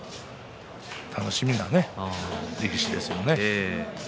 楽しみな力士ですよね。